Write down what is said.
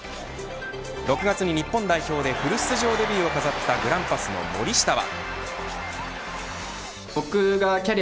６月に日本代表でフル出場デビューを飾ったグランパスの森下は。